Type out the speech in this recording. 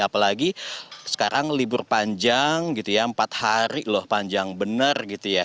apalagi sekarang libur panjang gitu ya empat hari loh panjang benar gitu ya